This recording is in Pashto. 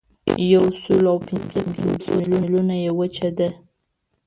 یوسلاوپینځهپنځوس میلیونه یې وچه ده.